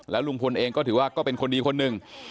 ลุงพลเองก็ถือว่าก็เป็นคนดีคนหนึ่ง